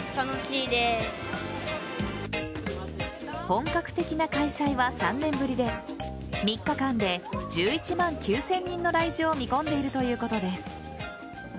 本格的な開催は３年ぶりで３日間で１１万９０００人の来場を見込んでいるということです。